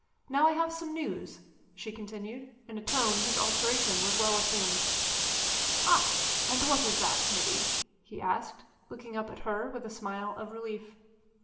Now, I have some news," she continued, in a tone whose alteration was well assumed. "Ah! and what is that, Niti?" he asked, looking up at her with a smile of relief.